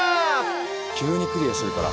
急にクリアするから。